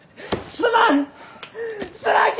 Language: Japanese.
すまんき！